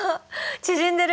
縮んでる。